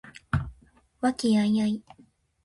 和気藹々